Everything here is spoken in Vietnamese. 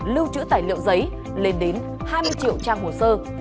lưu trữ tài liệu giấy lên đến hai mươi triệu trang hồ sơ